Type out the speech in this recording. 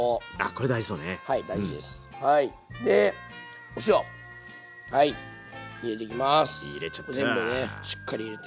これ全部ねしっかり入れて。